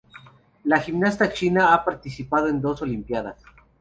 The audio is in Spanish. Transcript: La gimnasta China ha participado en dos Olimpiadas.